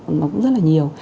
nó cũng rất là nhiều